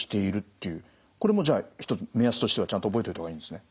これもじゃあ目安としてはちゃんと覚えておいた方がいいんですね。